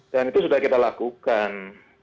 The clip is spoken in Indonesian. dan itu sudah kita lakukan